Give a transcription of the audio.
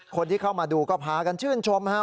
คนที่เข้ามาดูก็พากันชื่นชมฮะ